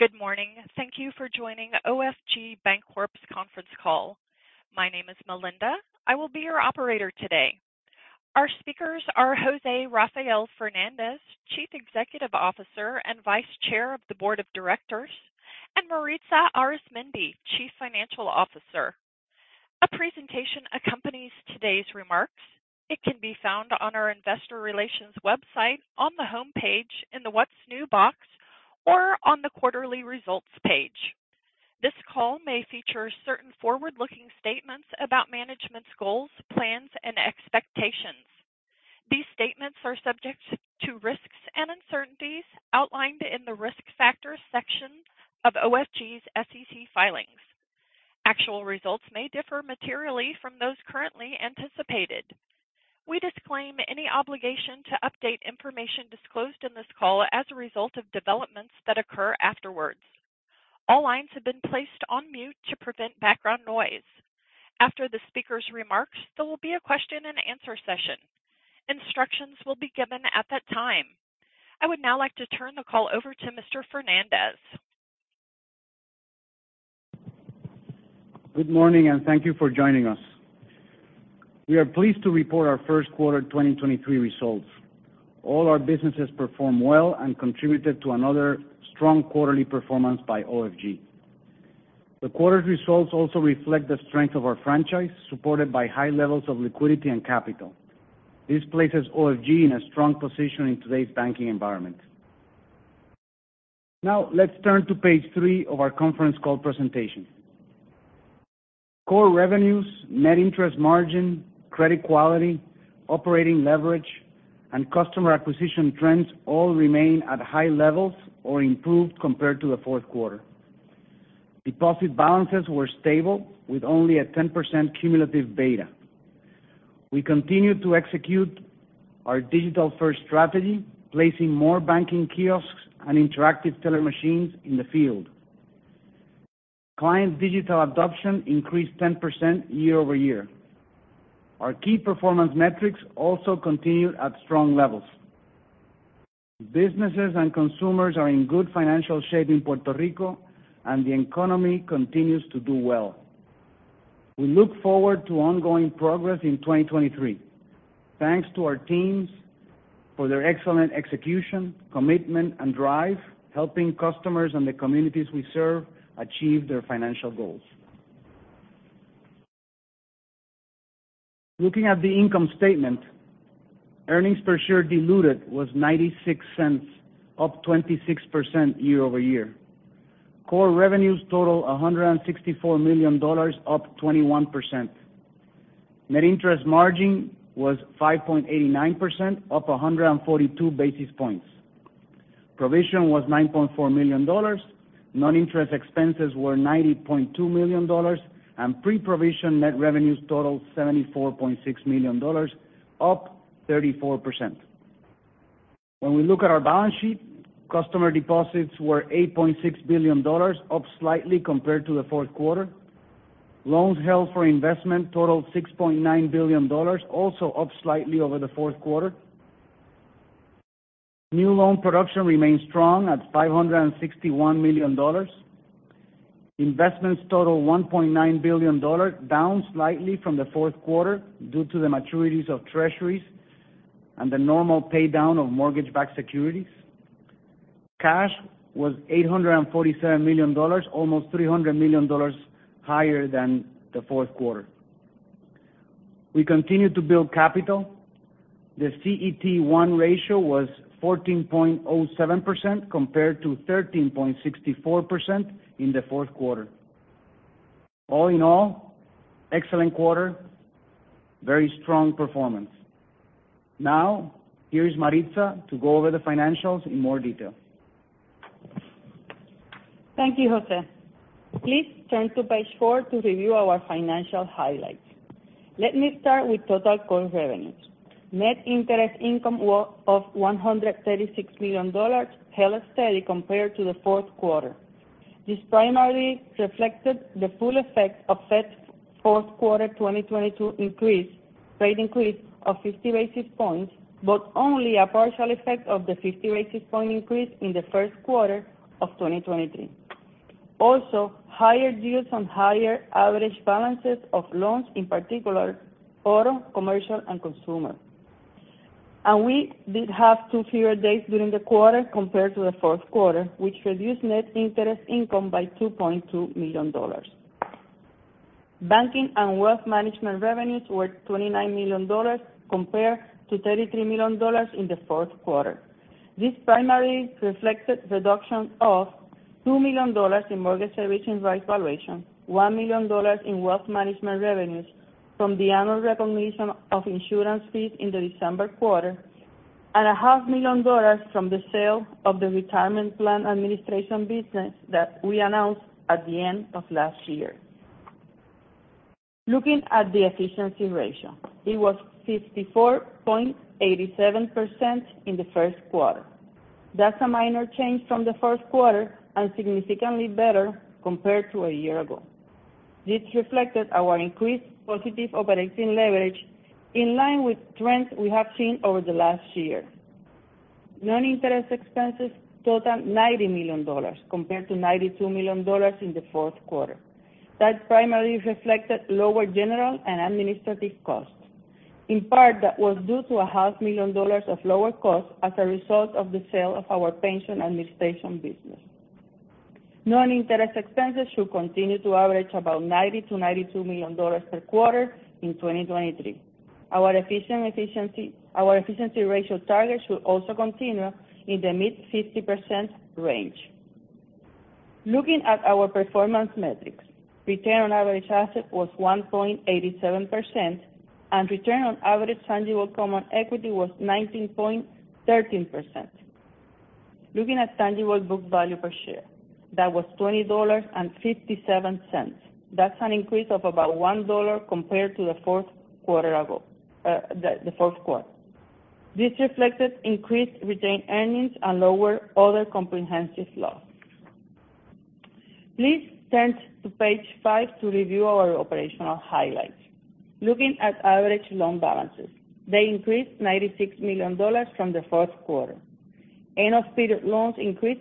Good morning. Thank you for joining OFG Bancorp's conference call. My name is Melinda. I will be your operator today. Our speakers are José Rafael Fernández, Chief Executive Officer and Vice Chair of the Board of Directors, and Maritza Arizmendi, Chief Financial Officer. A presentation accompanies today's remarks. It can be found on our investor relations website on the homepage in the What's New box or on the quarterly results page. This call may feature certain forward-looking statements about management's goals, plans, and expectations. These statements are subject to risks and uncertainties outlined in the Risk Factors section of OFG's SEC filings. Actual results may differ materially from those currently anticipated. We disclaim any obligation to update information disclosed in this call as a result of developments that occur afterwards. All lines have been placed on mute to prevent background noise. After the speaker's remarks, there will be a question-and-answer session. Instructions will be given at that time. I would now like to turn the call over to Mr. Fernandez. Good morning, and thank you for joining us. We are pleased to report our first quarter 2023 results. All our businesses performed well and contributed to another strong quarterly performance by OFG. The quarter's results also reflect the strength of our franchise, supported by high levels of liquidity and capital. This places OFG in a strong position in today's banking environment. Now let's turn to page three of our conference call presentation. Core revenues, net interest margin, credit quality, operating leverage, and customer acquisition trends all remain at high levels or improved compared to the fourth quarter. Deposit balances were stable with only a 10% cumulative beta. We continued to execute our digital-first strategy, placing more banking kiosks and interactive teller machines in the field. Client digital adoption increased 10% year-over-year. Our key performance metrics also continued at strong levels. Businesses and consumers are in good financial shape in Puerto Rico, and the economy continues to do well. We look forward to ongoing progress in 2023. Thanks to our teams for their excellent execution, commitment and drive, helping customers and the communities we serve achieve their financial goals. Looking at the income statement, earnings per share diluted was $0.96, up 26% year-over-year. Core revenues total $164 million, up 21%. Net interest margin was 5.89%, up 142 basis points. Provision was $9.4 million. Non-interest expenses were $90.2 million. Pre-Provision Net Revenue totaled $74.6 million, up 34%. When we look at our balance sheet, customer deposits were $8.6 billion, up slightly compared to the fourth quarter. Loans held for investment totaled $6.9 billion, also up slightly over the fourth quarter. New loan production remains strong at $561 million. Investments total $1.9 billion, down slightly from the fourth quarter due to the maturities of Treasuries and the normal paydown of mortgage-backed securities. Cash was $847 million, almost $300 million higher than the fourth quarter. We continue to build capital. The CET1 ratio was 14.07% compared to 13.64% in the fourth quarter. All in all, excellent quarter, very strong performance. Here is Maritza to go over the financials in more detail. Thank you, José. Please turn to page four to review our financial highlights. Let me start with total core revenues. Net interest income of $136 million held steady compared to the fourth quarter. This primarily reflected the full effect of Fed's fourth quarter 2022 rate increase of 50 basis points, but only a partial effect of the 50 basis point increase in the first quarter of 2023. Also, higher yields on higher average balances of loans, in particular auto, commercial, and consumer. We did have two fewer days during the quarter compared to the fourth quarter, which reduced net interest income by $2.2 million. Banking and Wealth Management revenues were $29 million compared to $33 million in the fourth quarter. This primarily reflected reduction of $2 million in mortgage-servicing rights valuation, $1 million in Wealth Management revenues from the annual recognition of insurance fees in the December quarter, and a half million dollars from the sale of the retirement plan administration business that we announced at the end of last year. Looking at the efficiency ratio, it was 54.87% in the first quarter. That's a minor change from the first quarter and significantly better compared to a year ago. This reflected our increased positive operating leverage in line with trends we have seen over the last year. Non-interest expenses totaled $90 million compared to $92 million in the fourth quarter. That primarily reflected lower general and administrative costs. In part, that was due to a $500,000 of lower costs as a result of the sale of our pension administration business. Non-interest expenses should continue to average about $90 million-$92 million per quarter in 2023. Our efficiency ratio target should also continue in the mid-50% range. Looking at our performance metrics, return on average asset was 1.87%, and return on average tangible common equity was 19.13%. Looking at tangible book value per share, that was $20.57. That's an increase of about $1 compared to the fourth quarter ago, the fourth quarter. This reflected increased retained earnings and lower other comprehensive loss. Please turn to page five to review our operational highlights. Looking at average loan balances, they increased $96 million from the fourth quarter. End-of-period loans increased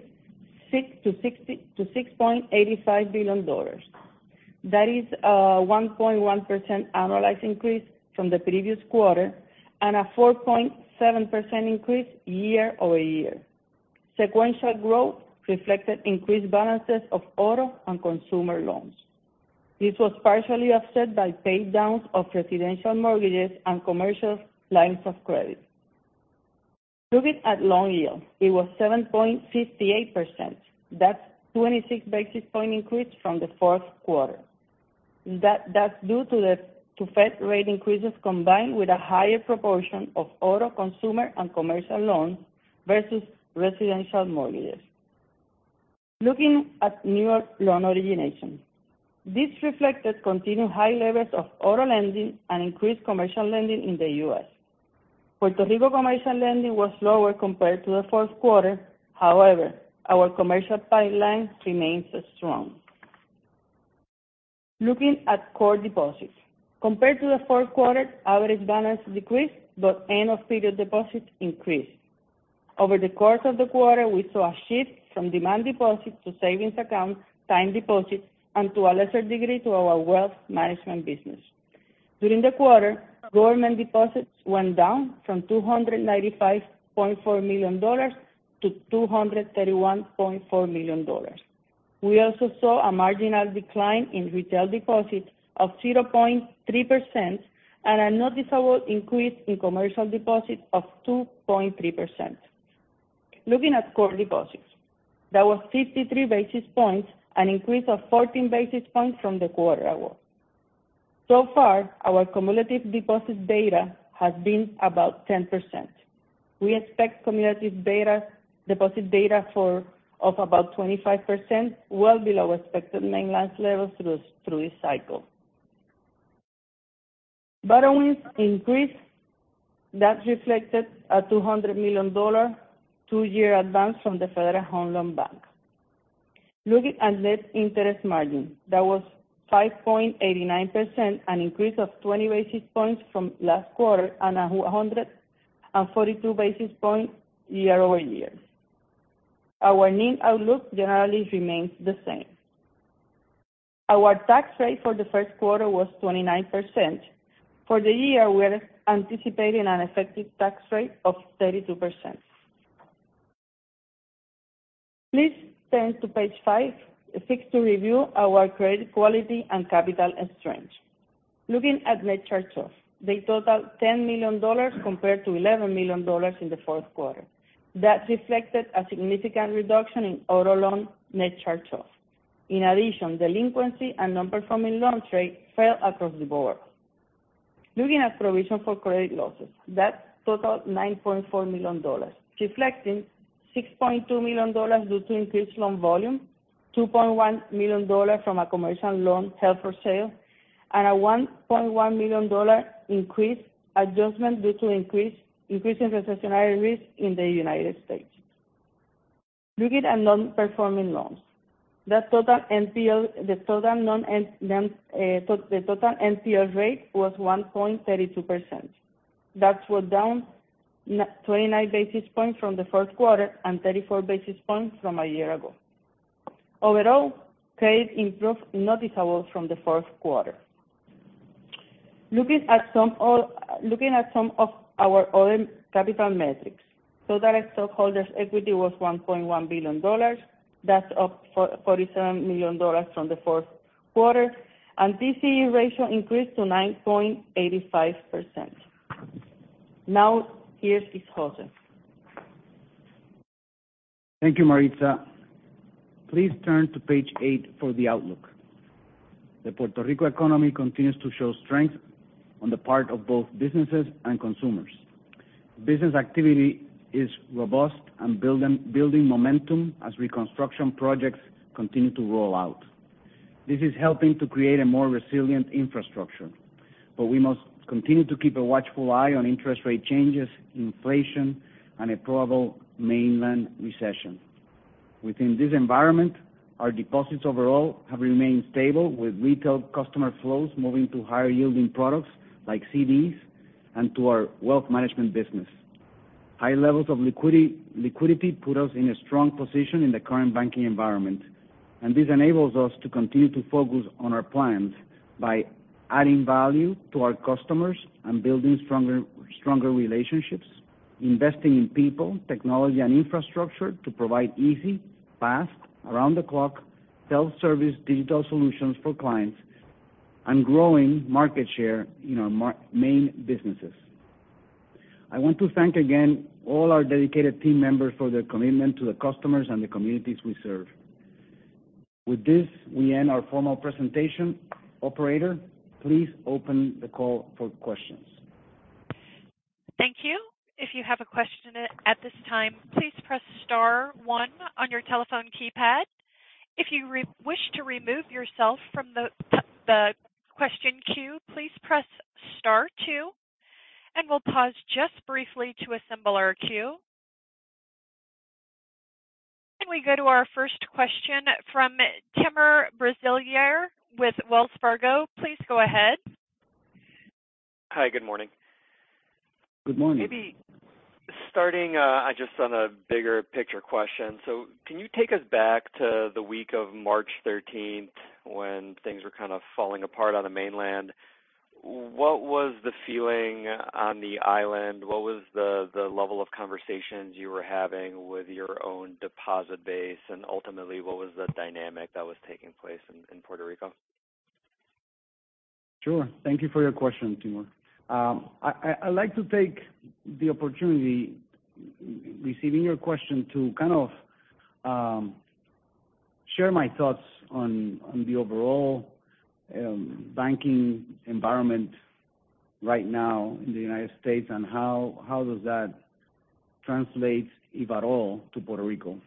$6.85 billion. That is a 1.1% annualized increase from the previous quarter and a 4.7% increase year-over-year. Sequential growth reflected increased balances of auto and consumer loans. This was partially offset by pay downs of residential mortgages and commercial lines of credit. Looking at loan yield, it was 7.58%. That's 26 basis point increase from the fourth quarter. That's due to Fed rate increases combined with a higher proportion of auto, consumer, and commercial loans versus residential mortgages. Looking at new loan originations, this reflected continued high levels of auto lending and increased commercial lending in the U.S. Puerto Rico commercial lending was lower compared to the fourth quarter. Our commercial pipeline remains strong. Looking at core deposits. Compared to the fourth quarter, average balance decreased, end-of-period deposits increased. Over the course of the quarter, we saw a shift from demand deposits to savings accounts, time deposits, and to a lesser degree, to our Wealth Management business. During the quarter, government deposits went down from $295.4 million to $231.4 million. We also saw a marginal decline in retail deposits of 0.3% and a noticeable increase in commercial deposits of 2.3%. Looking at core deposits, that was 53 basis points, an increase of 14 basis points from the quarter ago. So far, our cumulative deposit beta has been about 10%. We expect cumulative betas, deposit beta for, of about 25%, well below expected mainland levels through this cycle. Borrowings increased. That reflected a $200 million two-year advance from the Federal Home Loan Bank. Looking at net interest margin, that was 5.89%, an increase of 20 basis points from last quarter and 142 basis points year-over-year. Our NIM outlook generally remains the same. Our tax rate for the first quarter was 29%. For the year, we're anticipating an effective tax rate of 32%. Please turn to page five, six to review our credit quality and capital strength. Looking at net charge-offs, they totaled $10 million compared to $11 million in the fourth quarter. That reflected a significant reduction in auto loan net charge-offs. In addition, delinquency and non-performing loan rates fell across the board. Looking at provision for credit losses, that totaled $9.4 million, reflecting $6.2 million due to increased loan volume, $2.1 million from a commercial loan held for sale, and a $1.1 million increase adjustment due to increasing recessionary risk in the United States. Looking at non-performing loans, the total NPL rate was 1.32%. That was down 29 basis points from the fourth quarter and 34 basis points from a year ago. Overall, credit improved noticeable from the fourth quarter. Looking at some of our other capital metrics. Total shareholders' equity was $1.1 billion. That's up for $47 million from the fourth quarter, and TCE ratio increased to 9.85%. Here speaks José. Thank you, Maritza. Please turn to page eight for the outlook. The Puerto Rico economy continues to show strength on the part of both businesses and consumers. Business activity is robust and building momentum as reconstruction projects continue to roll out. This is helping to create a more resilient infrastructure, but we must continue to keep a watchful eye on interest rate changes, inflation, and a probable mainland recession. Within this environment, our deposits overall have remained stable with retail customer flows moving to higher-yielding products like CDs and to our Wealth Management business. High levels of liquidity put us in a strong position in the current banking environment, and this enables us to continue to focus on our plans by adding value to our customers and building stronger relationships, investing in people, technology and infrastructure to provide easy, fast, around-the-clock self-service digital solutions for clients, and growing market share in our main businesses. I want to thank again all our dedicated team members for their commitment to the customers and the communities we serve. With this, we end our formal presentation. Operator, please open the call for questions. Thank you. If you have a question at this time, please press star one on your telephone keypad. If you wish to remove yourself from the question queue, please press star two. We'll pause just briefly to assemble our queue. We go to our first question from Timur Braziler with Wells Fargo. Please go ahead. Hi. Good morning. Good morning. Maybe starting, just on a bigger picture question. Can you take us back to the week of March 13th when things were kind of falling apart on the mainland? What was the feeling on the island? What was the level of conversations you were having with your own deposit base, and ultimately, what was the dynamic that was taking place in Puerto Rico? Sure. Thank you for your question, Timur. I'd like to take the opportunity, receiving your question to kind of share my thoughts on the overall banking environment right now in the United States and how does that translate, if at all, to Puerto Rico.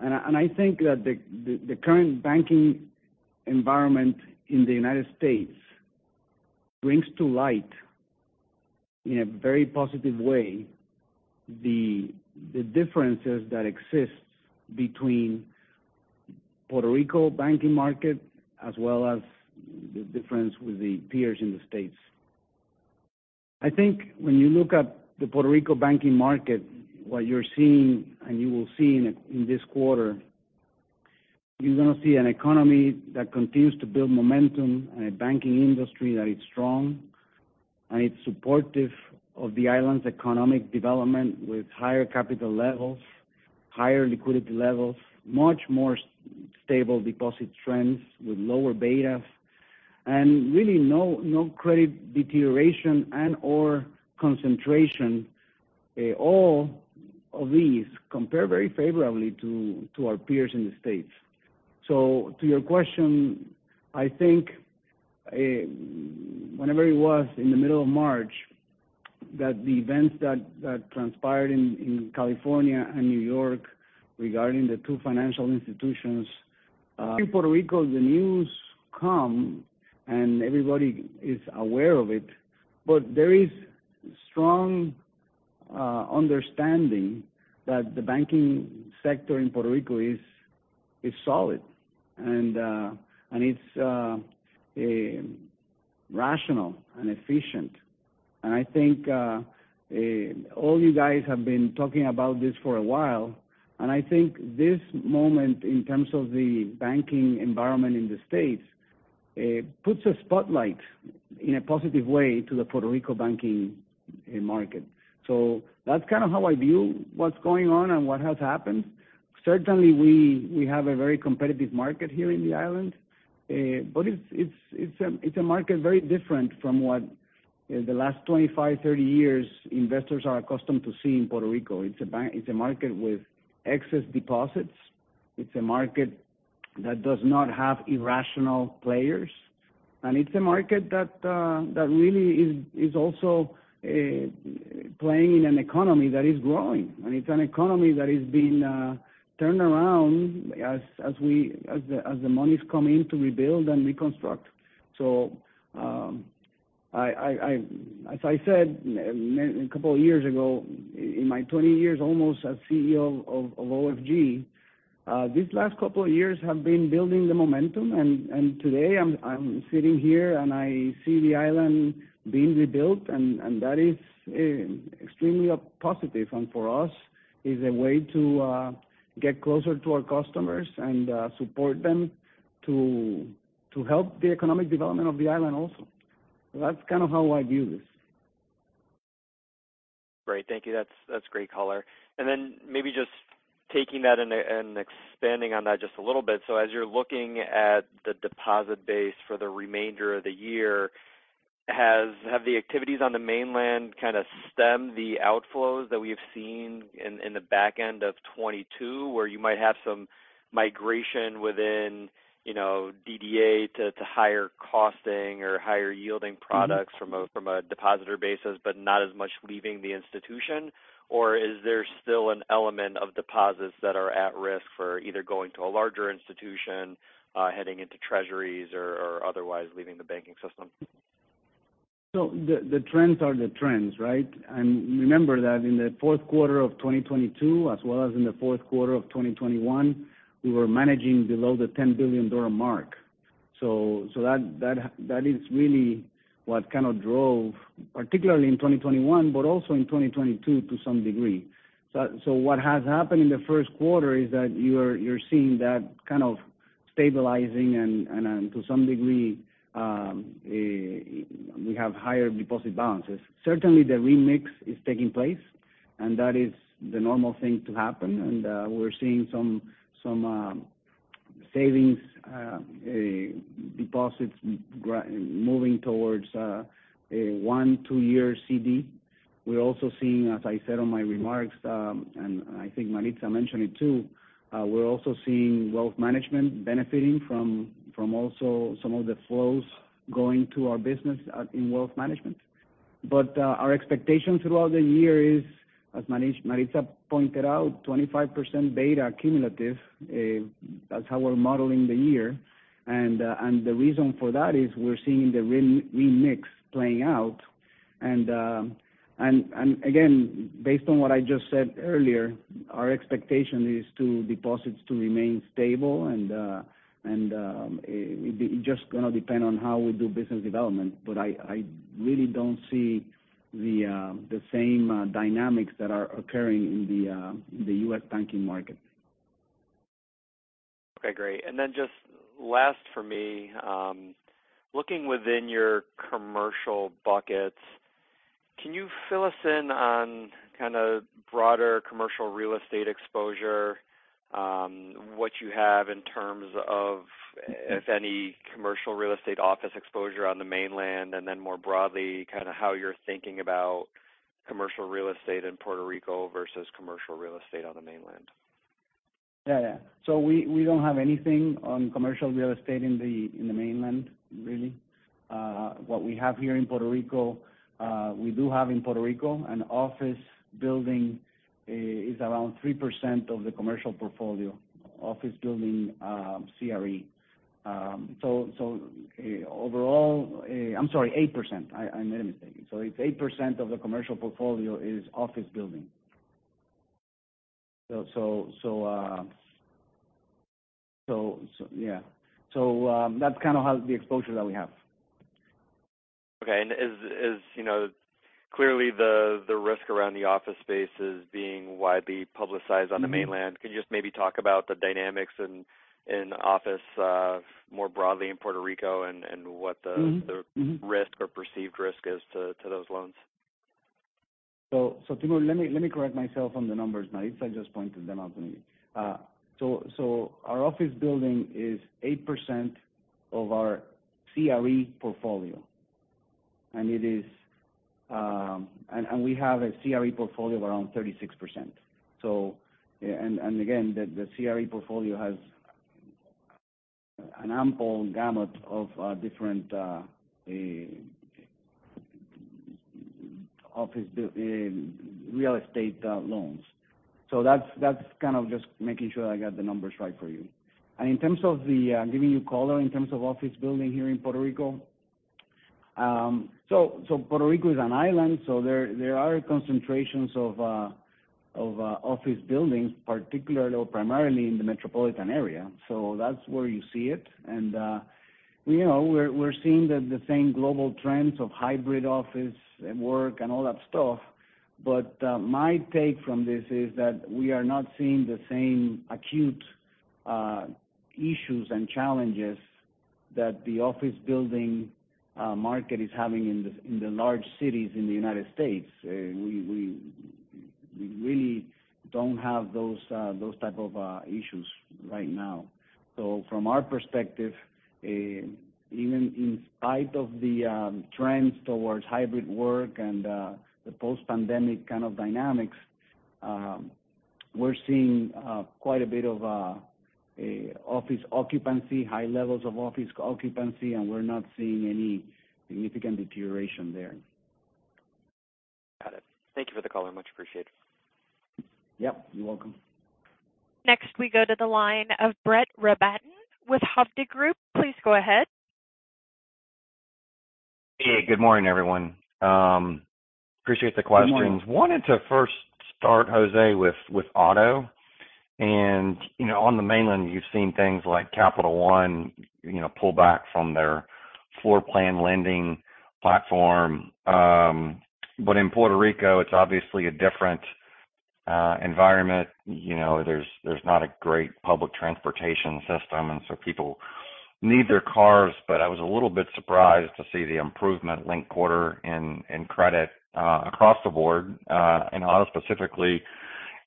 I think that the current banking environment in the United States brings to light, in a very positive way, the differences that exist between Puerto Rico banking market as well as the difference with the peers in the States. I think when you look at the Puerto Rico banking market, what you're seeing and you will see in this quarter, you're gonna see an economy that continues to build momentum and a banking industry that is strong, and it's supportive of the island's economic development with higher capital levels, higher liquidity levels, much more stable deposit trends with lower betas, and really no credit deterioration and/or concentration. All of these compare very favorably to our peers in the States. To your question, I think whenever it was in the middle of March, that the events that transpired in California and New York regarding the two financial institutions in Puerto Rico, the news come, and everybody is aware of it. There is strong understanding that the banking sector in Puerto Rico is solid, and it's rational and efficient. I think, all you guys have been talking about this for a while, and I think this moment in terms of the banking environment in the States, puts a spotlight in a positive way to the Puerto Rico banking market. That's kind of how I view what's going on and what has happened. Certainly, we have a very competitive market here in the island. But it's a market very different from what, the last 25, 30 years investors are accustomed to seeing in Puerto Rico. It's a market with excess deposits. It's a market that does not have irrational players, it's a market that really is also playing in an economy that is growing. It's an economy that is being turned around as the monies come in to rebuild and reconstruct. As I said a couple of years ago, in my 20 years almost as CEO of OFG, these last couple of years have been building the momentum. Today I'm sitting here, and I see the island being rebuilt, and that is extremely a positive. For us is a way to get closer to our customers and support them to help the economic development of the island also. That's kind of how I view this. Great. Thank you. That's great color. Then maybe just taking that and expanding on that just a little bit. As you're looking at the deposit base for the remainder of the year, have the activities on the mainland kind of stemmed the outflows that we have seen in the back end of 2022, where you might have some migration within, you know, DDA to higher costing or higher yielding products from a depositor basis, but not as much leaving the institution? Is there still an element of deposits that are at risk for either going to a larger institution, heading into Treasuries or otherwise leaving the banking system? The trends are the trends, right? Remember that in the fourth quarter of 2022 as well as in the fourth quarter of 2021, we were managing below the $10 billion mark. That is really what kind of drove, particularly in 2021, but also in 2022 to some degree. What has happened in the first quarter is that you're seeing that kind of stabilizing and to some degree, we have higher deposit balances. Certainly the remix is taking place, and that is the normal thing to happen. We're seeing some savings deposits moving towards a one, two-year CD. We're also seeing, as I said on my remarks, and I think Maritza mentioned it too, we're also seeing Wealth Management benefiting from also some of the flows going to our business in Wealth Management. Our expectation throughout the year is, as Maritza pointed out, 25% beta cumulative. That's how we're modeling the year. The reason for that is we're seeing the remix playing out. Again, based on what I just said earlier, our expectation is to deposits to remain stable and it just gonna depend on how we do business development. I really don't see the same dynamics that are occurring in the U.S. banking market. Okay, great. Just last for me, looking within your commercial buckets, can you fill us in on kind of broader commercial real estate exposure, what you have in terms of, if any, commercial real estate office exposure on the mainland, and then more broadly, kind of how you're thinking about commercial real estate in Puerto Rico versus commercial real estate on the mainland? Yeah. Yeah. We don't have anything on commercial real estate in the mainland, really. What we have here in Puerto Rico. We do have in Puerto Rico an office building, is around 3% of the commercial portfolio, office building, CRE. Overall, I'm sorry, 8%. I made a mistake. It's 8% of the commercial portfolio is office building. Yeah. That's kind of how the exposure that we have. Okay. Is, you know, clearly the risk around the office space is being widely publicized on the mainland. Can you just maybe talk about the dynamics in office more broadly in Puerto Rico? Mm-hmm. Mm-hmm. And what does the risk or perceived risk is to those loans? Timur, let me correct myself on the numbers. Maritza just pointed them out to me. Our office building is 8% of our CRE portfolio, and it is... We have a CRE portfolio of around 36%. Again, the CRE portfolio has an ample gamut of different real estate loans. That's kind of just making sure I got the numbers right for you. In terms of giving you color in terms of office building here in Puerto Rico. Puerto Rico is an island, there are concentrations of office buildings, particularly or primarily in the metropolitan area. That's where you see it. You know, we're seeing the same global trends of hybrid office work and all that stuff. My take from this is that we are not seeing the same acute issues and challenges that the office building market is having in the large cities in the United States. We really don't have those type of issues right now. From our perspective, even in spite of the trends towards hybrid work and the post-pandemic kind of dynamics, we're seeing quite a bit of office occupancy, high levels of office occupancy, and we're not seeing any significant deterioration there. Got it. Thank you for the color. Much appreciated. Yep, you're welcome. Next, we go to the line of Brett Rabatin with Hovde Group. Please go ahead. Hey, good morning, everyone. Appreciate the questions. Good morning. Wanted to first start, José, with auto. You know, on the mainland you've seen things like Capital One, you know, pull back from their floor plan lending platform. In Puerto Rico it's obviously a different environment. You know, there's not a great public transportation system, and so people need their cars. I was a little bit surprised to see the improvement linked quarter in credit across the board in auto specifically.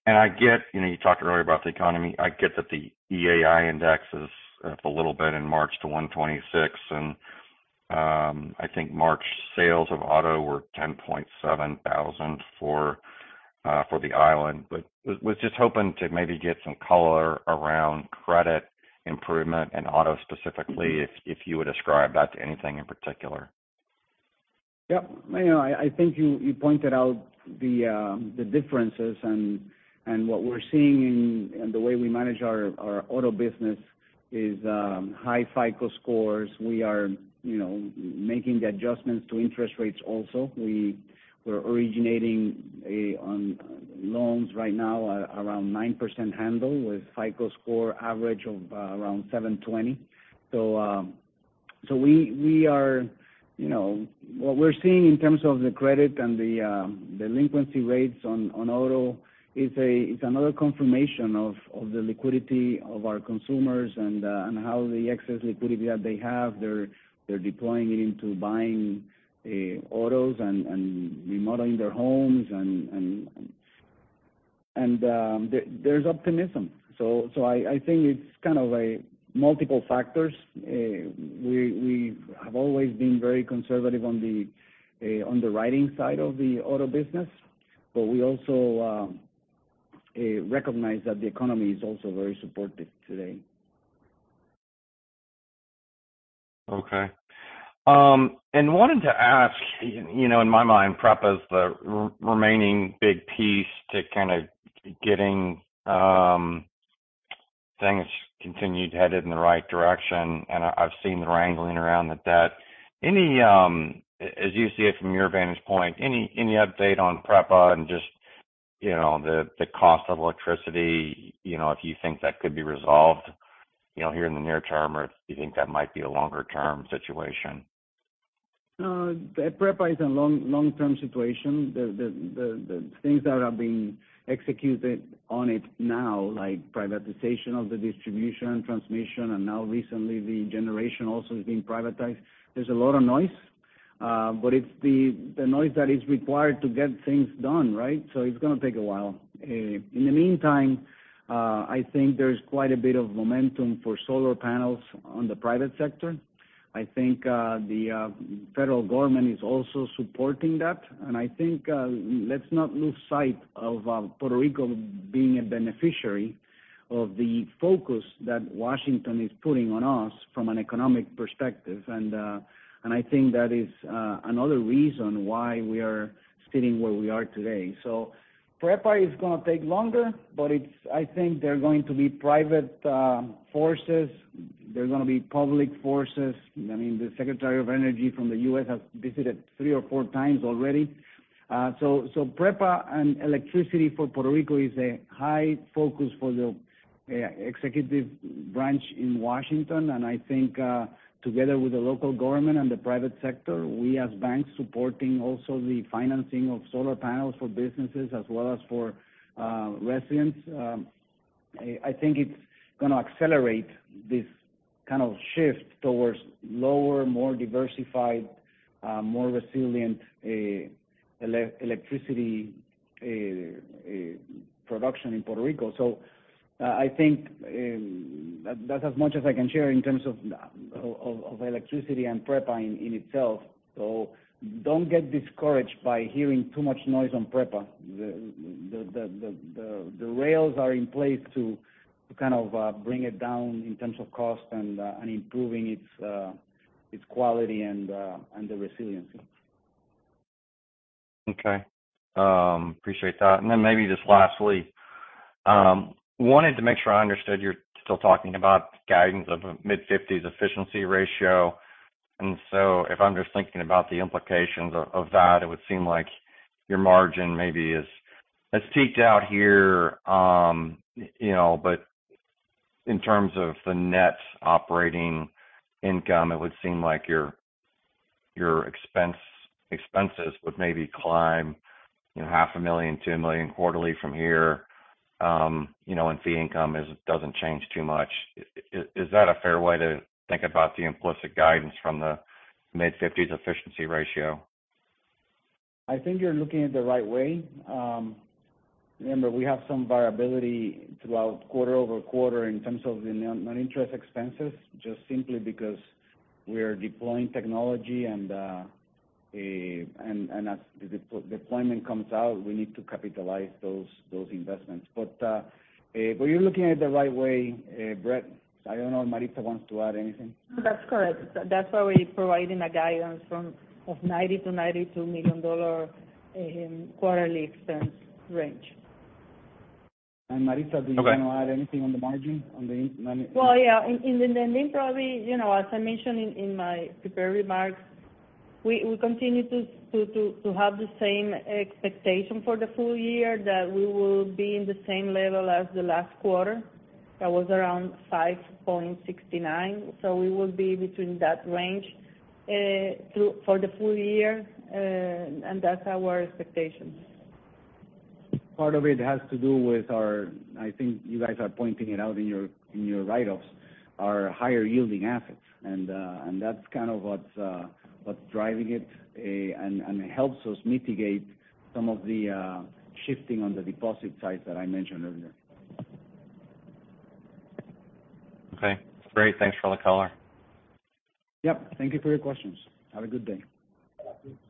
I get, you know, you talked earlier about the economy. I get that the EAI index is up a little bit in March to 126. I think March sales of auto were 10.7 thousand for the island. Was just hoping to maybe get some color around credit improvement in auto specifically, if you would ascribe that to anything in particular? Yep. You know, I think you pointed out the differences and what we're seeing in the way we manage our auto business. Is high FICO scores. We are, you know, making the adjustments to interest rates also. We're originating loans right now around 9% handle with FICO score average of around 720. We are, you know, what we're seeing in terms of the credit and the delinquency rates on auto is another confirmation of the liquidity of our consumers and how the excess liquidity that they have, they're deploying it into buying autos and remodeling their homes and there's optimism. I think it's kind of a multiple factors. We have always been very conservative on the underwriting side of the auto business, but we also recognize that the economy is also very supportive today. Okay. wanted to ask, you know, in my mind, PREPA's the remaining big piece to kind of getting, things continued headed in the right direction. I've seen the wrangling around the debt. Any, as you see it from your vantage point, any update on PREPA and just, you know, the cost of electricity, you know, if you think that could be resolved, you know, here in the near term, or do you think that might be a longer term situation? PREPA is a long, long-term situation. The things that are being executed on it now, like privatization of the distribution, transmission, and now recently the generation also is being privatized. There's a lot of noise, but it's the noise that is required to get things done, right? It's gonna take a while. In the meantime, I think there's quite a bit of momentum for solar panels on the private sector. I think the federal government is also supporting that. I think let's not lose sight of Puerto Rico being a beneficiary of the focus that Washington is putting on us from an economic perspective. I think that is another reason why we are sitting where we are today. PREPA is going to take longer, but I think there are going to be private forces. There's going to be public forces. I mean, the Secretary of Energy from the U.S. has visited three or four times already. PREPA and electricity for Puerto Rico is a high focus for the executive branch in Washington. I think, together with the local government and the private sector, we as banks supporting also the financing of solar panels for businesses as well as for residents, I think it's going to accelerate this kind of shift towards lower, more diversified, more resilient electricity production in Puerto Rico. I think that's as much as I can share in terms of electricity and PREPA in itself. Don't get discouraged by hearing too much noise on PREPA. The rails are in place to kind of bring it down in terms of cost and improving its quality and the resiliency. Okay, appreciate that. Then maybe just lastly, wanted to make sure I understood you're still talking about guidance of mid-50%s efficiency ratio. So if I'm just thinking about the implications of that, it would seem like your margin maybe is, has peaked out here. You know, but in terms of the net operating income, it would seem like your expenses would maybe climb, you know, $0.5 million, $2 million quarterly from here, you know, and fee income doesn't change too much. Is that a fair way to think about the implicit guidance from the mid-50%s efficiency ratio? I think you're looking at the right way. remember, we have some variability throughout quarter-over-quarter in terms of the non-interest expenses, just simply because we are deploying technology and as the de-deployment comes out, we need to capitalize those investments. You're looking at it the right way, Brett. I don't know if Maritza wants to add anything. That's correct. That's why we're providing a guidance of $90 million-$92 million quarterly expense range. Maritza. Okay. Do you wanna add anything on the margin, I mean? Well, yeah. I mean, probably, you know, as I mentioned in my prepared remarks, we continue to have the same expectation for the full year that we will be in the same level as the last quarter. That was around 5.69%. We will be between that range for the full year. That's our expectation. Part of it has to do with I think you guys are pointing it out in your, in your write-offs, our higher yielding assets. That's kind of what's what's driving it, and it helps us mitigate some of the shifting on the deposit side that I mentioned earlier. Okay. Great. Thanks for all the color. Yep. Thank you for your questions. Have a good day.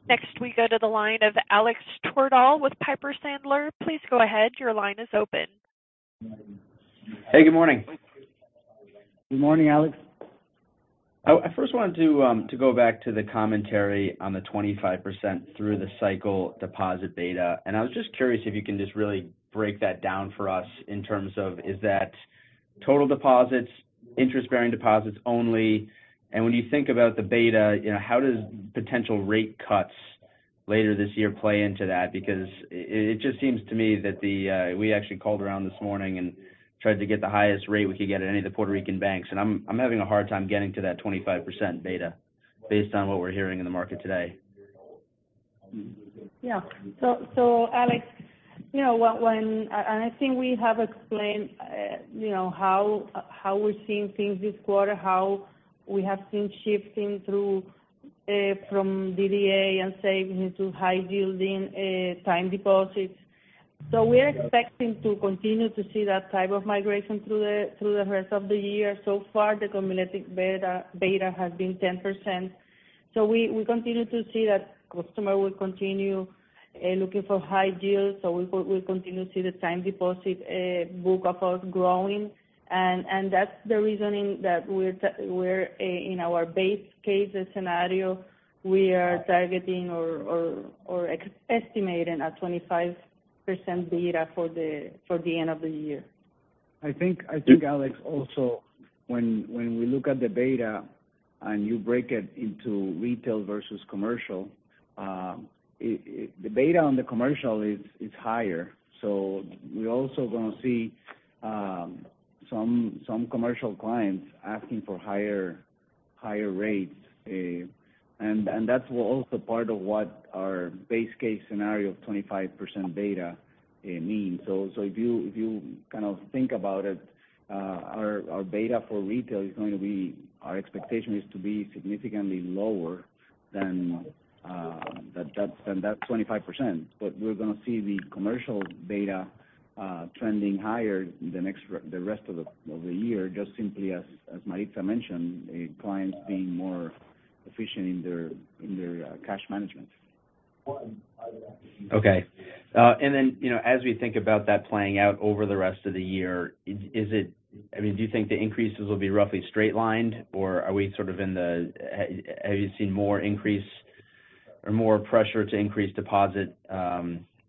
Next, we go to the line of Alex Twerdahl with Piper Sandler. Please go ahead. Your line is open. Hey, good morning. Good morning, Alex. I first wanted to go back to the commentary on the 25% through the cycle deposit beta. I was just curious if you can just really break that down for us in terms of is that total deposits, interest-bearing deposits only? When you think about the beta, you know, how does potential rate cuts later this year play into that? Because it just seems to me that the... We actually called around this morning and tried to get the highest rate we could get at any of the Puerto Rican banks, and I'm having a hard time getting to that 25% beta based on what we're hearing in the market today. Yeah. Alex, you know, when and I think we have explained, you know, how we're seeing things this quarter, how we have been shifting through from DDA and savings to high-yielding time deposits. We're expecting to continue to see that type of migration through the rest of the year. So far, the cumulative beta has been 10%. We continue to see that customer will continue looking for high yields, we continue to see the time deposit book of ours growing. That's the reasoning that we're in our base case scenario, we are targeting or estimating a 25% beta for the end of the year. I think Alex also when we look at the beta and you break it into retail versus commercial, the beta on the commercial is higher. We're also gonna see, some commercial clients asking for higher rates. That's also part of what our base case scenario of 25% beta means. If you kind of think about it, our beta for retail is to be significantly lower than that 25%. We're gonna see the commercial beta trending higher the rest of the year, just simply as Maritza mentioned, clients being more efficient in their cash management. Okay. You know, as we think about that playing out over the rest of the year, I mean, do you think the increases will be roughly straight lined, or have you seen more increase or more pressure to increase deposit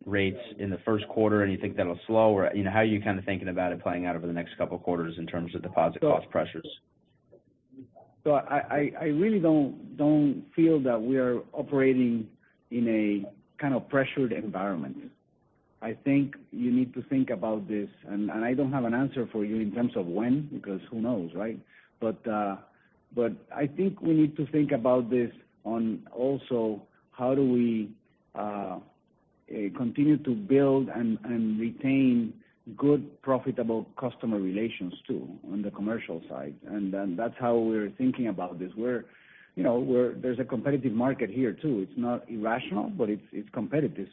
rates in the first quarter and you think that'll slow? You know, how are you kind of thinking about it playing out over the next couple quarters in terms of deposit cost pressures? I really don't feel that we are operating in a kind of pressured environment. I think you need to think about this, and I don't have an answer for you in terms of when, because who knows, right? I think we need to think about this on also how do we continue to build and retain good profitable customer relations too on the commercial side. That's how we're thinking about this. We're, you know, there's a competitive market here too. It's not irrational, but it's competitive.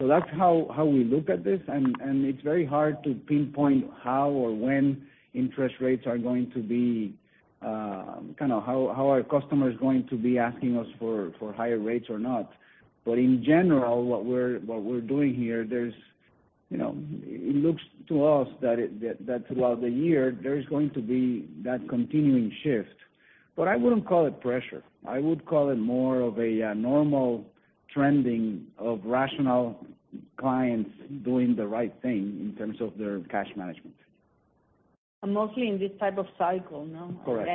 That's how we look at this. It's very hard to pinpoint how or when interest rates are going to be, kind of how are customers going to be asking us for higher rates or not. In general, what we're doing here. You know, it looks to us that throughout the year there is going to be that continuing shift. I wouldn't call it pressure. I would call it more of a normal trending of rational clients doing the right thing in terms of their cash management. Mostly in this type of cycle, no? Correct.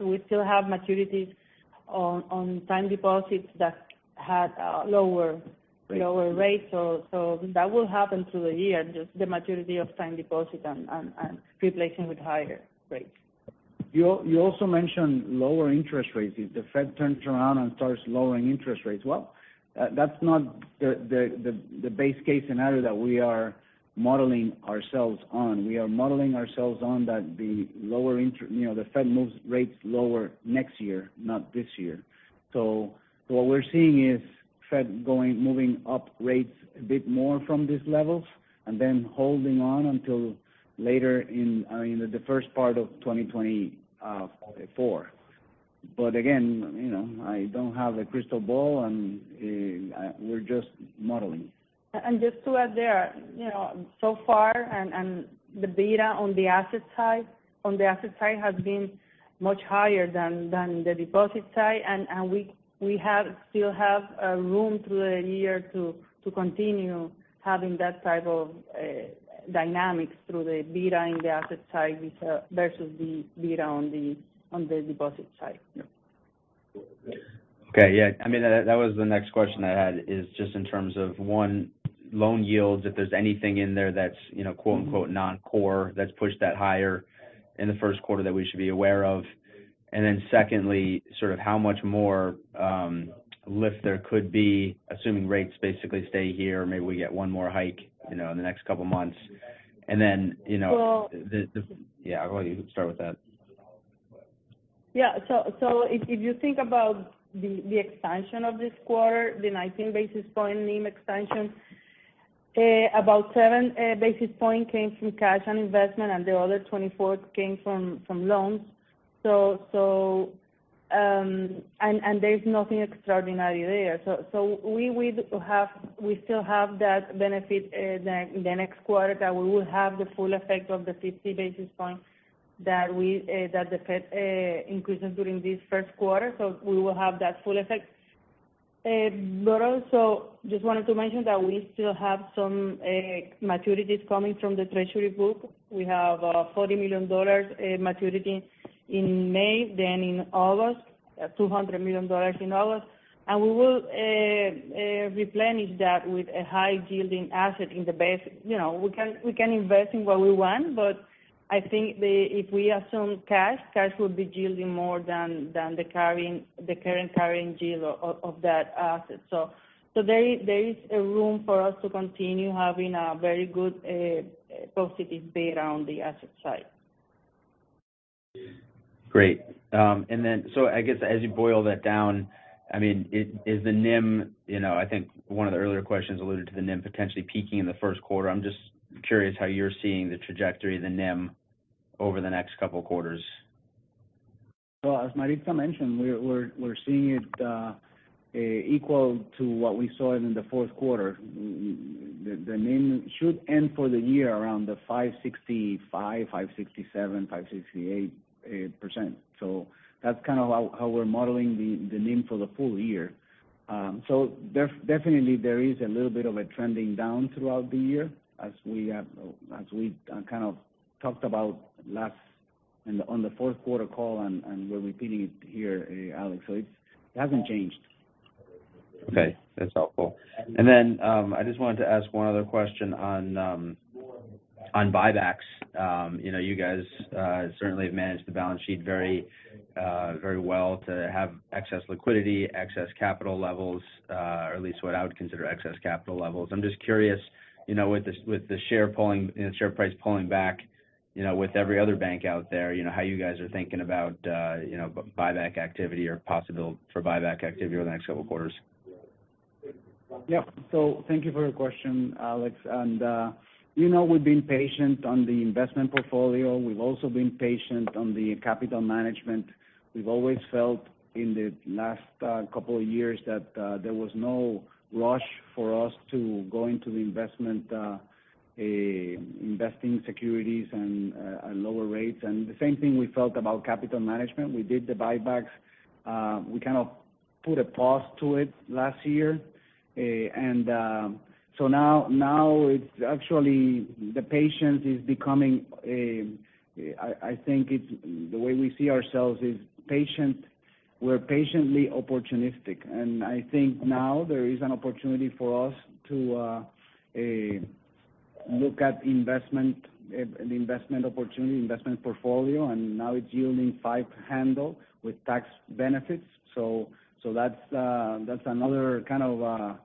We still have maturities on time deposits that have lower- Rates... lower rates. That will happen through the year, just the maturity of time deposit and replacing with higher rates. You also mentioned lower interest rates. If the Fed turns around and starts lowering interest rates, well, that's not the base case scenario that we are modeling ourselves on. We are modeling ourselves on that the lower, you know, the Fed moves rates lower next year, not this year. What we're seeing is Fed moving up rates a bit more from these levels and then holding on until later in the first part of 2024. Again, you know, I don't have a crystal ball and we're just modeling. Just to add there, you know, so far and the beta on the asset side has been much higher than the deposit side. We still have room through the year to continue having that type of dynamics through the beta in the asset side versus the beta on the deposit side. Okay. Yeah. I mean, that was the next question I had is just in terms of, one, loan yields, if there's anything in there that's, you know, quote unquote, "non-core" that's pushed that higher in the first quarter that we should be aware of. Secondly, sort of how much more lift there could be, assuming rates basically stay here, maybe we get one more hike, you know, in the next couple of months. Then, you know... So- Yeah, why don't you start with that? Yeah. If you think about the expansion of this quarter, the 19 basis point NIM expansion, about 7 basis point came from cash and investment and the other 24th came from loans. There's nothing extraordinary there. We still have that benefit, the next quarter that we will have the full effect of the 50 basis points that the Fed increased during this first quarter, so we will have that full effect. Also just wanted to mention that we still have some maturities coming from the Treasury group. We have $40 million in maturity in May, then in August, $200 million in August. We will replenish that with a high yielding asset in the base. You know, we can invest in what we want, but I think the if we assume cash will be yielding more than the current carrying yield of that asset. There is a room for us to continue having a very good positive bet on the asset side. Great. I guess as you boil that down, I mean, you know, I think one of the earlier questions alluded to the NIM potentially peaking in the first quarter. I'm just curious how you're seeing the trajectory of the NIM over the next couple quarters. As Maritza mentioned, we're seeing it equal to what we saw in the fourth quarter. The NIM should end for the year around the 5.65%, 5.67%, 5.68%. That's kind of how we're modeling the NIM for the full year. Definitely there is a little bit of a trending down throughout the year as we have, as we kind of talked about last on the fourth quarter call and we're repeating it here, Alex. It hasn't changed. Okay. That's helpful. I just wanted to ask one other question on buybacks. You know, you guys certainly have managed the balance sheet very, very well to have excess liquidity, excess capital levels, or at least what I would consider excess capital levels. I'm just curious, you know, with the share price pulling back, you know, with every other bank out there, you know, how you guys are thinking about buyback activity or possible for buyback activity over the next couple quarters. Yeah. Thank you for your question, Alex. We've been patient on the investment portfolio. We've also been patient on the capital management. We've always felt in the last couple of years that there was no rush for us to go into the investment investing securities and at lower rates. The same thing we felt about capital management. We did the buybacks. We kind of put a pause to it last year. Now it's actually the patience is becoming, I think it's the way we see ourselves is patient. We're patiently opportunistic. I think now there is an opportunity for us to look at investment portfolio, and now it's yielding five handle with tax benefits. That's another kind of,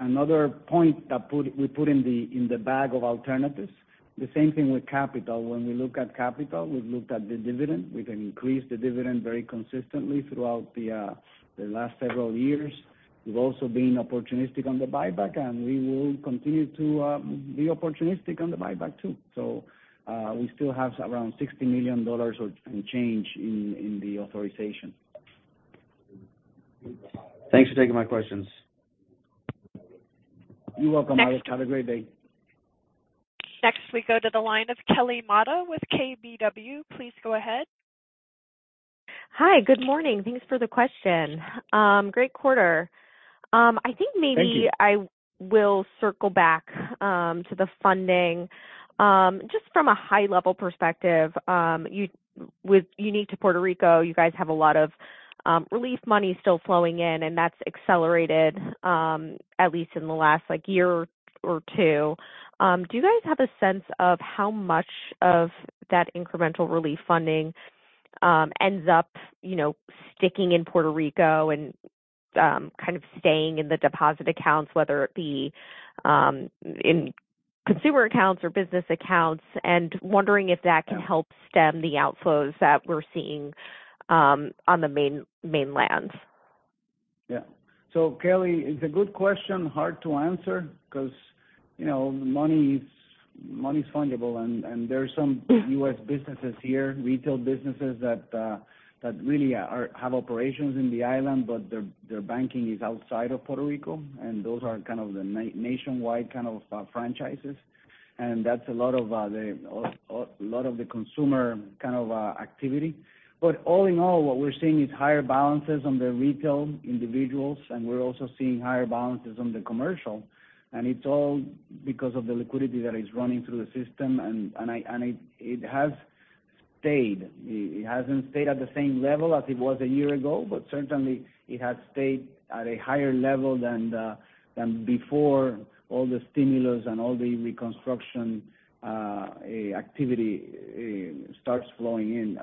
another point that we put in the bag of alternatives. The same thing with capital. When we look at capital, we've looked at the dividend. We've increased the dividend very consistently throughout the last several years. We've also been opportunistic on the buyback, and we will continue to be opportunistic on the buyback too. We still have around $60 million or, and change in the authorization. Thanks for taking my questions. You're welcome, Alex. Have a great day. Next we go to the line of Kelly Motta with KBW. Please go ahead. Hi. Good morning. Thanks for the question. Great quarter. Thank you. I will circle back to the funding. Just from a high level perspective, with unique to Puerto Rico, you guys have a lot of relief money still flowing in, and that's accelerated at least in the last, like, year or two. Do you guys have a sense of how much of that incremental relief funding ends up, you know, sticking in Puerto Rico and kind of staying in the deposit accounts, whether it be in consumer accounts or business accounts, and wondering if that can help stem the outflows that we're seeing on the mainland? Yeah. Kelly, it's a good question, hard to answer because, you know, money is fungible, and there are some U.S. businesses here, retail businesses that really are, have operations in the island, but their banking is outside of Puerto Rico, and those are kind of the nationwide kind of franchises. That's a lot of the, a lot of the consumer kind of activity. All in all, what we're seeing is higher balances on the retail individuals, and we're also seeing higher balances on the commercial. It's all because of the liquidity that is running through the system. It has stayed. It hasn't stayed at the same level as it was a year ago, certainly it has stayed at a higher level than before all the stimulus and all the reconstruction activity started to flow in.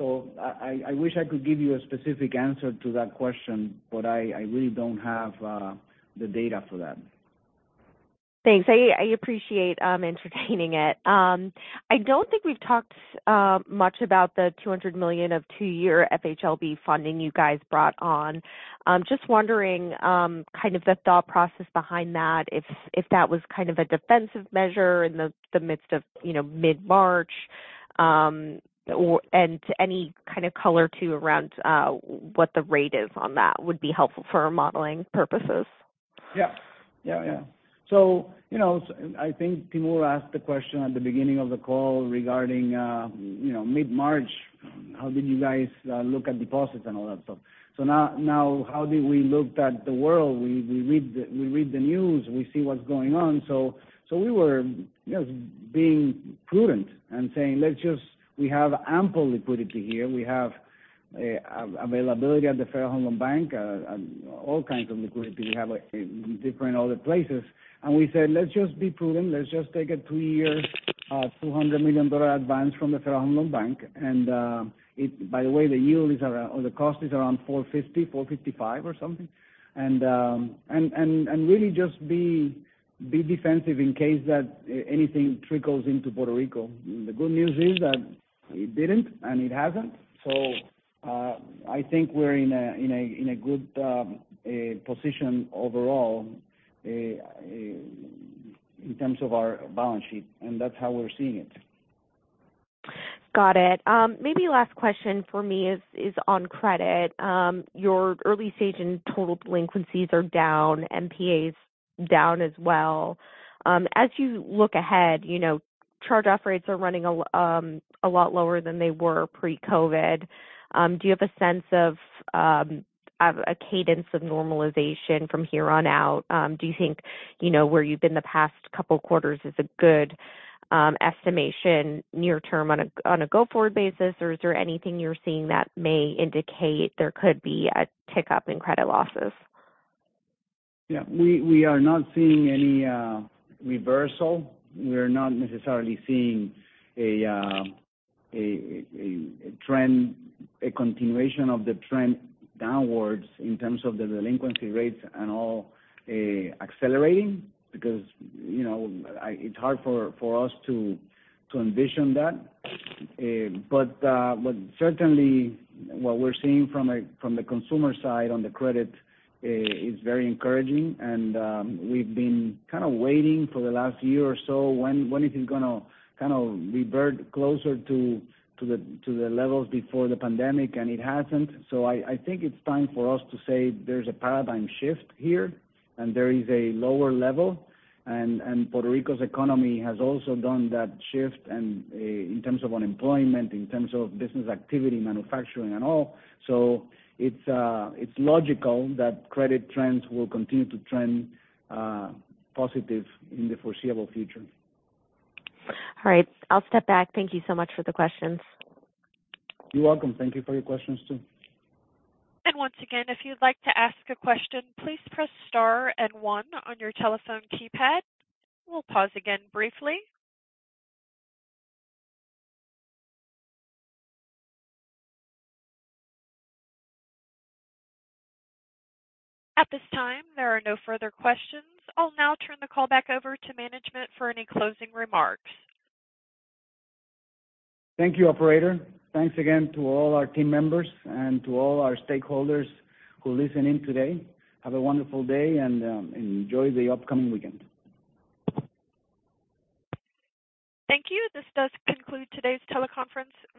I wish I could give you a specific answer to that question, I really don't have the data for that. Thanks. I appreciate entertaining it. I don't think we've talked much about the $200 million of two-year FHLB funding you guys brought on. Just wondering kind of the thought process behind that, if that was kind of a defensive measure in the midst of, you know, mid-March, and any kind of color too around what the rate is on that would be helpful for our modeling purposes. Yeah. Yeah, yeah. You know, I think Timur asked the question at the beginning of the call regarding, you know, mid-March, how did you guys look at deposits and all that stuff. Now how did we looked at the world, we read the news, we see what's going on. We were, you know, being prudent and saying, "We have ample liquidity here. We have availability at the Federal Home Loan Bank, all kinds of liquidity. We have, like, in different other places." We said, "Let's just be prudent. Let's just take a three-year, $200 million advance from the Federal Home Loan Bank." By the way, the yield is around, or the cost is around $4.50, $4.55 or something. really just be defensive in case that anything trickles into Puerto Rico. The good news is that it didn't, and it hasn't. I think we're in a good position overall in terms of our balance sheet, and that's how we're seeing it. Got it. Maybe last question for me is on credit. Your early stage and total delinquencies are down, NPAs down as well. As you look ahead, you know, charge-off rates are running a lot lower than they were pre-COVID. Do you have a sense of a cadence of normalization from here on out? Do you think, you know, where you've been the past couple quarters is a good estimation near term on a go-forward basis, or is there anything you're seeing that may indicate there could be a tick up in credit losses? Yeah. We are not seeing any reversal. We are not necessarily seeing a trend, a continuation of the trend downwards in terms of the delinquency rates and all accelerating because, you know, it's hard for us to envision that. Certainly what we're seeing from the consumer side on the credit is very encouraging. We've been kind of waiting for the last year or so when is it gonna kind of revert closer to the levels before the pandemic, and it hasn't. I think it's time for us to say there's a paradigm shift here, and there is a lower level. Puerto Rico's economy has also done that shift in terms of unemployment, in terms of business activity, manufacturing and all. It's logical that credit trends will continue to trend, positive in the foreseeable future. All right. I'll step back. Thank you so much for the questions. You're welcome. Thank you for your questions, too. Once again, if you'd like to ask a question, please press star and one on your telephone keypad. We'll pause again briefly. At this time, there are no further questions. I'll now turn the call back over to management for any closing remarks. Thank you, operator. Thanks again to all our team members and to all our stakeholders who listened in today. Have a wonderful day and enjoy the upcoming weekend. Thank you. This does conclude today's teleconference.